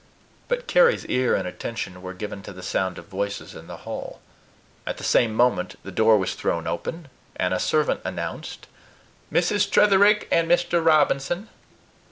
But Carry's ear and attention were given to the sound of voices in the hall. At the same moment, the door was thrown open, and a servant announced, "Mrs. Tretherick and Mr. Robinson."